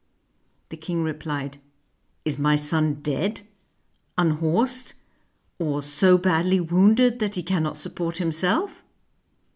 The king replied, ''Is my son dead, unhorsed, or so badly wounded that he cannot support himself?"